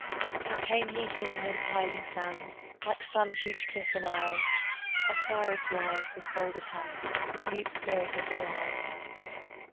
How came he here mid piling sands, Like some huge cliff enisled, Osiris wise, with folded hands, Mute spirit of the Wild?